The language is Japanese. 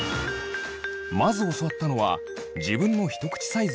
まず教わったのは自分のひと口サイズを知ること。